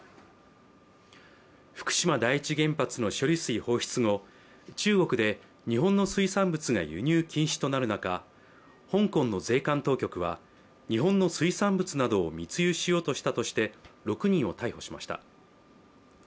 福島第一原発の処理水放出後、中国で日本の水産物が輸入禁止となる中香港の税関当局は、日本の水産物などを密輸しようとしたとして６人を逮捕しました。